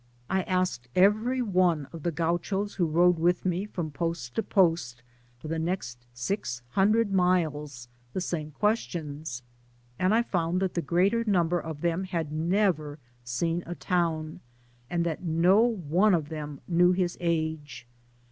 I asked every one of the Gauchos who rode with me from post to post, for the next six hundred miles, the same questions, and I found that the greater number of them had never seen a town, and that no one of them knew his age.